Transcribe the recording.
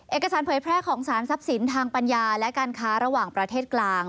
เอกสารเผยแพร่ของสารทรัพย์สินทางปัญญาและการค้าระหว่างประเทศกลาง